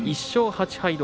１勝８敗